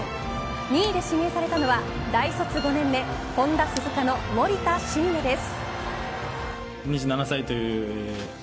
２位で指名されたのは大卒５年目ホンダ鈴鹿の森田駿哉です。